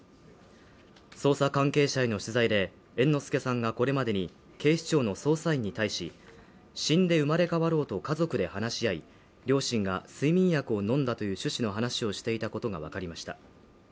捜査関係者への取材で猿之助さんがこれまでに警視庁の捜査員に対し、死んで生まれ変わろうと家族で話し合い、両親が睡眠薬を飲んだという趣旨の話をしていたことが分かりました。